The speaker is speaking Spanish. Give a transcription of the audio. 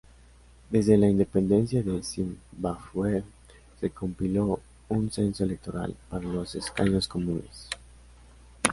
Desde la independencia de Zimbabwe, se compiló un censo electoral para los escaños comunes.